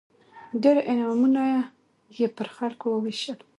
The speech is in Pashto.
ډېر انعامونه یې پر خلکو ووېشل.